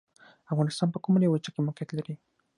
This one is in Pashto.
افغانستان په کومه لویه وچې کې موقعیت لري؟